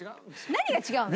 何が違うの？